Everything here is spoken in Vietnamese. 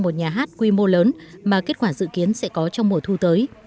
một nhà hát quy mô lớn mà kết quả dự kiến sẽ có trong một tuần